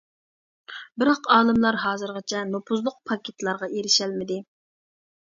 بىراق ئالىملار ھازىرغىچە نوپۇزلۇق پاكىتلارغا ئېرىشەلمىدى.